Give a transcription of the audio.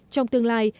trong tương lai